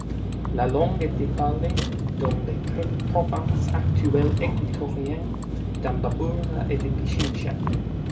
La langue était parlée dans les provinces actuelles équatoriennes d'Imbabura et de Pichincha.